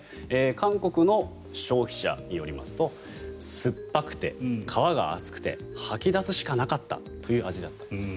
韓国の消費者によりますと酸っぱくて、皮が厚くて吐き出すしかなかったという味だったんです。